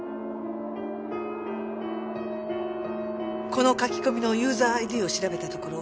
この書き込みのユーザーＩＤを調べたところ